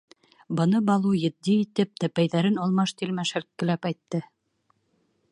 — Быны Балу етди итеп, тәпәйҙәрен алмаш-тилмәш һелккеләп әйтте.